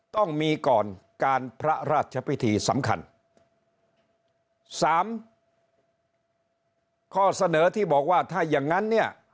ต้องมีก่อนการพระราชพิธีสำคัญสามข้อเสนอที่บอกว่าถ้าอย่างงั้นเนี่ย